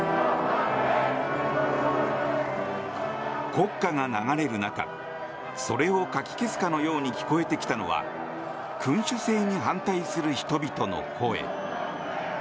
国歌が流れる中それをかき消すかのように聞こえてきたのが君主制に反対する人々の声。